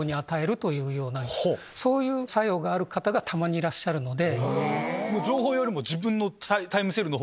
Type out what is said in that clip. そういう作用がある方がたまにいらっしゃるので。